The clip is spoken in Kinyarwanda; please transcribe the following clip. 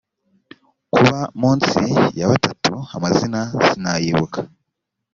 kuba munsi ya batatu amazina sinayibuka